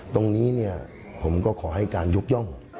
ตรงนี้ผมก็ขอให้การยกย่อง